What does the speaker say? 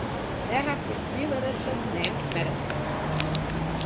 There have been three villages named Madison.